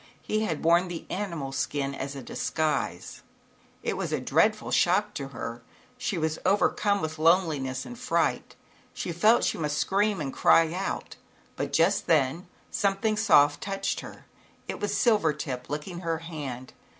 He had worn the animal skin as a disguise, ^^^j^^^^^^ It was a dreadful shock to her. She ^^PPB was overcome with loneliness and fright. She felt that she must scream and cry ~* ut but just then something soft touched her. It was Silvertip, licking her hand.